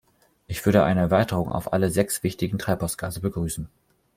Ich würde eine Erweiterung auf alle sechs wichtigen Treibhausgase begrüßen.